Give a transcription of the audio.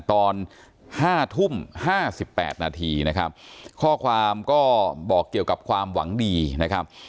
ตอนห้าทุ่มห้าสิบแปดนาทีนะครับข้อความก็บอกเกี่ยวกับความหวังดีนะครับ